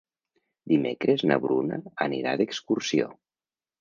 Dimecres na Bruna anirà d'excursió.